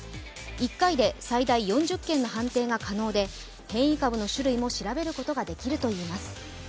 １回で最大４０件の判定が可能で変異株の種類も調べることができるといいます。